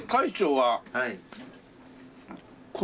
はい。